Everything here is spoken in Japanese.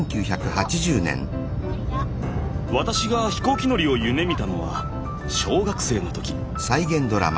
私が飛行機乗りを夢みたのは小学生の時。